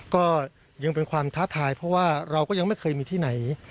ก็ยังเป็นความท้าทายเพราะว่าเราก็ยังไม่เคยมีที่ไหน